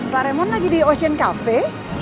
pak remon lagi di ocean cafe